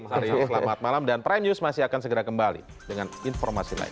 hari ini selamat malam dan prime news masih akan segera kembali dengan informasi lain